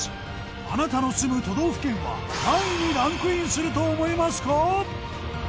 あなたの住む都道府県は何位にランクインすると思いますか？